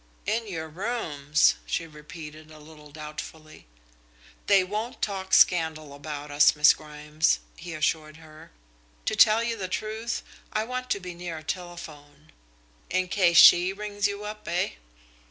"In your rooms," she repeated, a little doubtfully. "They won't talk scandal about us, Miss Grimes," he assured her. "To tell you the truth, I want to be near the telephone." "In case she rings you up, eh?"